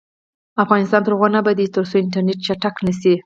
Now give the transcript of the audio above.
افغانستان تر هغو نه ابادیږي، ترڅو انټرنیټ چټک نشي.